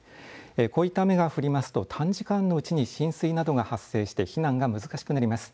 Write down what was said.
こういった雨が降りますと短時間のうちに浸水などが発生して避難が難しくなります。